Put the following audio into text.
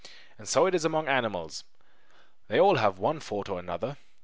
And so it is among animals: they all have one fault or another.